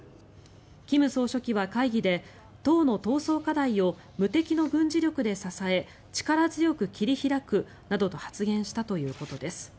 金総書記は会議で党の闘争課題を無敵の軍事力で支え力強く切り開くなどと発言したということです。